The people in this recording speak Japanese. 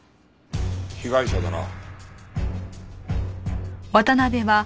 被害者だな。